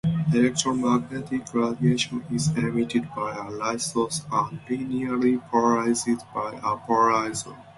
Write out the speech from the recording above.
Electromagnetic radiation is emitted by a light source and linearly polarized by a polarizer.